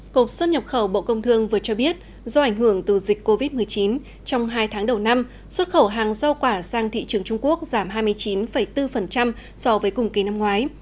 cộng xuất nhập khẩu bộ công thương vừa cho biết do ảnh hưởng từ dịch covid một mươi chín trong hai tháng đầu năm xuất khẩu hàng giao quả sang thị trường trung quốc giảm hai mươi chín bốn so với cùng kỳ năm ngoái